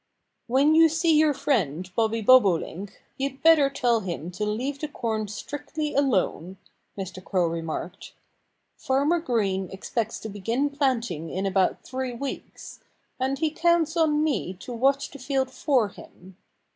"When you see your friend Bobby Bobolink you'd better tell him to leave the corn strictly alone," Mr. Crow remarked. "Farmer Green expects to begin planting in about three weeks. And he counts on me to watch the field for him.